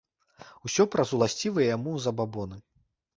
Усё праз уласцівыя яму забабоны.